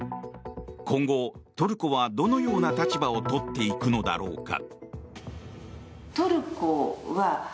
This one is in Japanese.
今後、トルコはどのような立場を取っていくのだろうか。